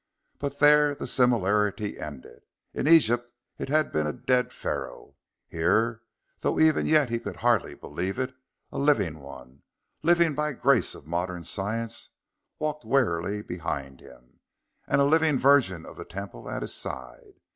But there the similarity ended. In Egypt it had been a dead Pharaoh; here, though even yet he could hardly believe it, a living one living by grace of modern science walked warily behind him, and a living virgin of the temple at his side.